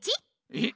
えっ？